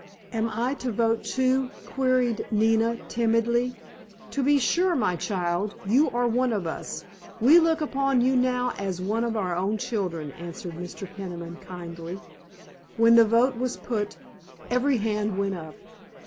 "Am I to vote, too?" queried Nina timidly. "To be sure, my child. You are one of us. We look upon you now as one of our own children," answered Mr. Peniman kindly. When the vote was put every hand went up.